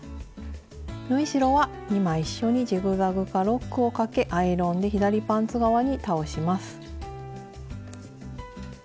縫い代は２枚一緒にジグザグかロックをかけアイロンで左パンツ側に倒します。